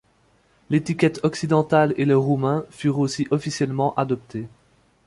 L’étiquette occidentale et le roumain furent aussi officiellement adoptés.